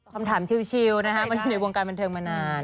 คำถามชิวนะฮะมันอยู่ในวงการบันเทิงมานาน